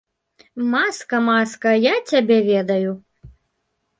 Маска, маска, я цябе ведаю.